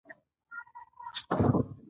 پردیو چي هر څه زړه غوښتي لیکلي دي.